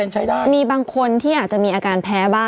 ใช้ได้มีบางคนที่อาจจะมีอาการแพ้บ้าง